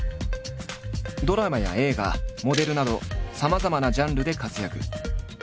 ドラマや映画モデルなどさまざまなジャンルで活躍。